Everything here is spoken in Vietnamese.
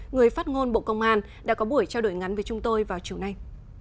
người phát ngôn bộ công an đã có buổi trao đổi ngắn với chúng tôi vào chiều nay